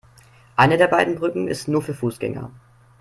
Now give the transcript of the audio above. Eine der beiden Brücken ist nur für Fußgänger.